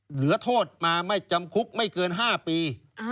เหลือโทษมาไม่จำคุกไม่เกิน๕ปี